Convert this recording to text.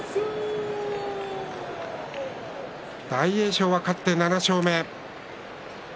大栄翔は勝って７勝目。